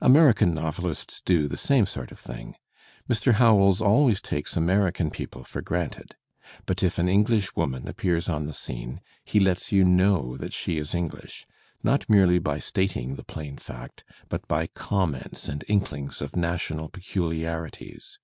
American noveUsts do the same sort of thing. Mr, Howells always takes American people for granted. But if an English woman appears on the scene, he lets you know that she is English, not merely by stating the plain fact but by comments and inklings of national peculiarities.